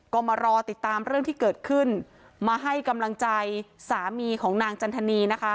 ก็มารอติดตามเรื่องที่เกิดขึ้นมาให้กำลังใจสามีของนางจันทนีนะคะ